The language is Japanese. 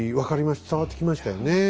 伝わってきましたよねえ。